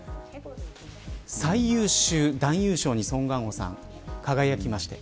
最優秀男優賞にソン・ガンホさん輝きました。